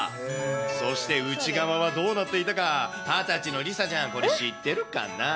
そして内側はどうなっていたか、２０歳の梨紗ちゃん、これ、知ってるかな？